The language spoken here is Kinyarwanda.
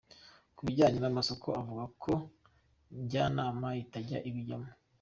Ku bijyanye n’amasoko akavuga ko Njyanama itajya ibijyamo.